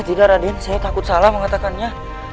jika raden saya takut salah mengatakannya